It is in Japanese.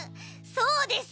そうです！